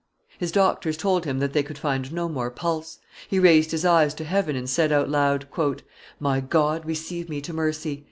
His doctors told him that they could find no more pulse; he raised his eyes to heaven and said out loud, "My God, receive me to mercy!"